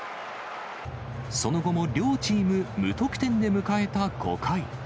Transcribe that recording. その後も両チーム無得点で迎えた５回。